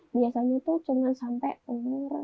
biasanya tuh cuma sampai umur